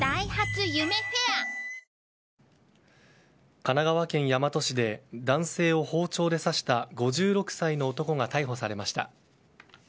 神奈川県大和市で男性を包丁で刺した５６歳の男が逮捕されました。